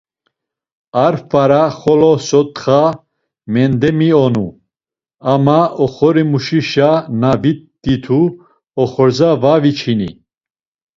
Ar fara xolo sotxa mendemionu, ama oxorimuşişa na viditu oxorza va viç̌ini.